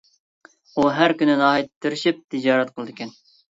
ئۇ ھەر كۈنى ناھايىتى تىرىشىپ تىجارەت قىلىدىكەن.